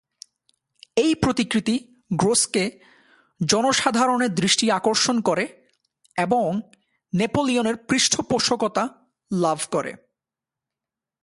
এই প্রতিকৃতি গ্রোসকে জনসাধারণের দৃষ্টি আকর্ষণ করে এবং নেপোলিয়নের পৃষ্ঠপোষকতা লাভ করে।